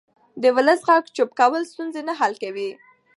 د ولس غږ چوپ کول ستونزې نه حل کوي